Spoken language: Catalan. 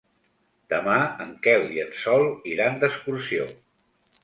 Demà en Quel i en Sol iran d'excursió.